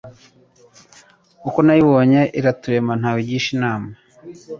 Uko nayibonye iraturema ntawe igishije inama